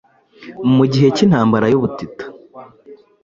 mu gihe cy'intambara y'ubutita